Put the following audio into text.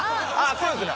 そうですね！